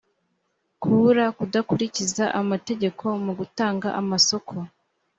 kubura kudakurikiza amategeko mu gutanga amasoko